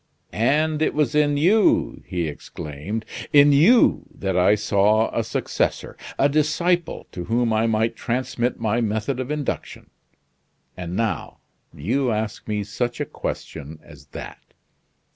"And it was in you," he exclaimed, "in you that I saw a successor, a disciple to whom I might transmit my method of induction; and now, you ask me such a question as that!